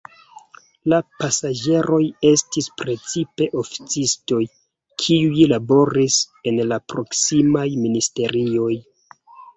La pasaĝeroj estis precipe oficistoj, kiuj laboris en la proksimaj ministerioj.